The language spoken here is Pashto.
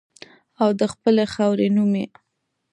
او د خپلې خاورې نوم یې